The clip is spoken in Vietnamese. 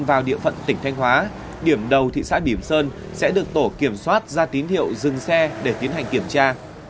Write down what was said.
vào địa phận tỉnh thanh hóa điểm đầu thị xã bìm sơn sẽ được tổ kiểm soát ra tín hiệu dừng xe để tiến hành kiểm tra